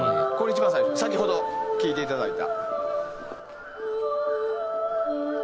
先ほど聴いていただいた。